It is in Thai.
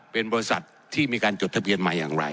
เป็นบริษัทที่มีการจดทะเบียนใหม่อย่างไร